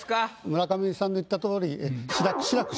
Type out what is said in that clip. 村上さんの言ったとおりはははっ。